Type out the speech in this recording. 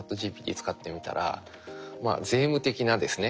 使ってみたら税務的なですね